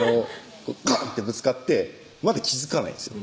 ガンってぶつかってまだ気付かないんですよ